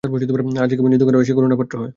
আর যাকে বঞ্চিত করা হয় সে করুণার পাত্র হয়।